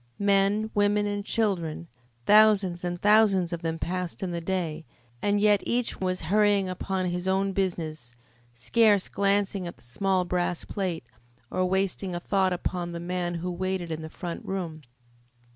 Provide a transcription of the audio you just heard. Men, women, and children, thousands and thousands of them passed in the day, and yet each was hurrying on upon his own business, scarce glancing at the small brass plate, or wasting a thought upon the man who waited in the front room.